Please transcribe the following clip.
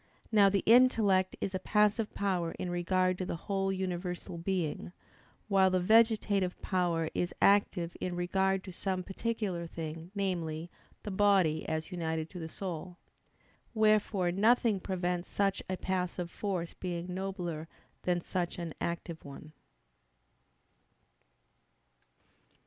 Now the intellect is a passive power in regard to the whole universal being: while the vegetative power is active in regard to some particular thing, namely, the body as united to the soul. Wherefore nothing prevents such a passive force being nobler than such an active one.